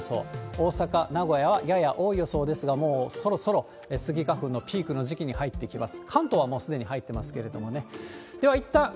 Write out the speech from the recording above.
大阪、名古屋はやや多い予想ですが、もうそろそろスギ花粉のピークの時期に入っていきます。